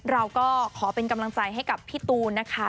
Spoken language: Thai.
เราก็ขอเป็นกำลังใจให้กับพี่ตูนนะคะ